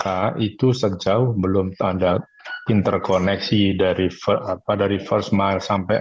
transportasi di jakarta itu sejauh belum tanda interkoneksi dari apa dari first mile sampai